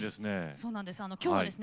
そうなんです。